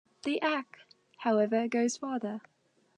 The Act, however, goes further.